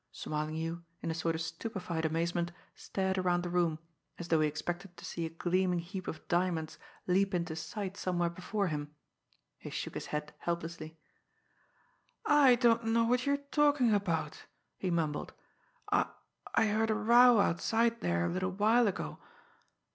Smarlinghue, in a sort of stupefied amazement, stared around the room as though he expected to see a gleaming heap of diamonds leap into sight somewhere before him. He shook his head helplessly. "I don't know what you're talking about," he mumbled. "I I heard a row outside there a little while ago.